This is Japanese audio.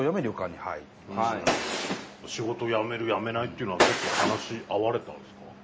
仕事を辞める辞めないっていうのは結構話し合われたんすか？